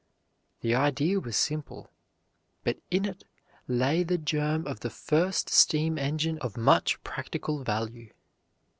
The idea was simple, but in it lay the germ of the first steam engine of much practical value.